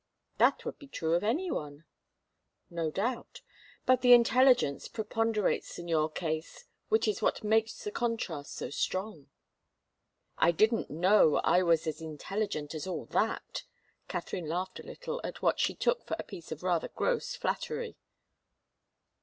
"That would be true of any one." "No doubt. But the intelligence preponderates in your case, which is what makes the contrast so strong." "I didn't know I was as intelligent as all that!" Katharine laughed a little at what she took for a piece of rather gross flattery.